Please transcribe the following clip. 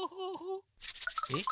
えっ？